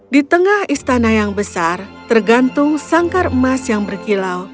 di tengah istana yang besar tergantung sangkar emas yang berkilau